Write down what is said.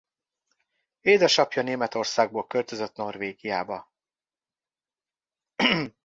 Édesapja Németországból költözött Norvégiába.